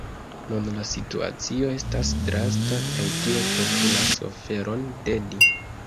Nun la situacio estas drasta, kaj tio postulas oferon de ni.